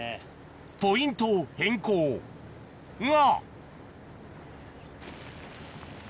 ポイントを変更が！